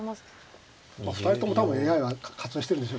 ２人とも多分ＡＩは活用してるんでしょうからね。